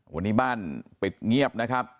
วันนี้บ้านปิดเงียบนะครับ